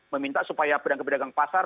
meminta supaya pedagang pedagang pasar